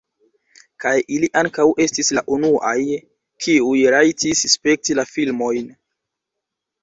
Kaj ili ankaŭ estis la unuaj, kiuj rajtis spekti la filmojn.